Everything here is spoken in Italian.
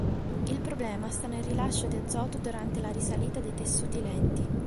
Il problema sta nel rilascio di azoto durante la risalita dei tessuti lenti.